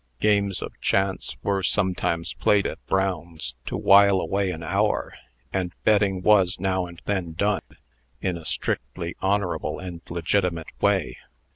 Games of chance were sometimes played at Brown's, to while away an hour; and betting was now and then done, in a strictly honorable and legitimate way.